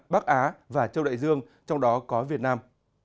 bắc á và châu đại dương trong đó có việt nam